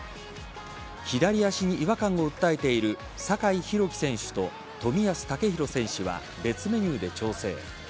左足に違和感を訴えている酒井宏樹選手と冨安健洋選手は別メニューで調整。